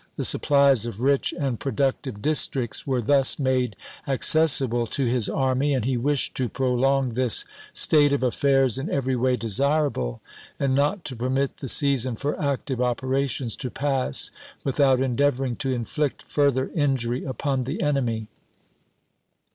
The suppHes of rich and productive districts were thus made accessible to his army, and he wished to prolong this " state of affairs in every way desirable, and not to permit the season for active operations to pass without endeavoring to inflict further injury upon Ibid,, p. 144. the enemy."